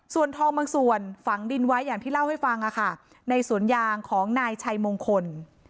ส่วนทองบางส่วนฝังดินไว้อย่างที่เล่าให้ฟังในสวนยางของนายชัยมงคล